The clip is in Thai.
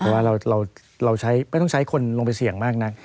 แต่ว่าเราไม่ต้องใช้คนลงไปเสี่ยงมากนัก